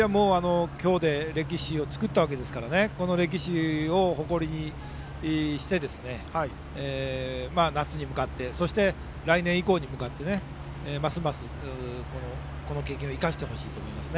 今日で歴史を作ったわけですからこの歴史を誇りにして夏に向かってそして来年以降に向かってますますこの経験を生かしてほしいです。